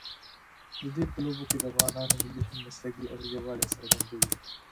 د دوی په لوبو کې د افغانانو ملي همبستګۍ او یووالي څرګندوي.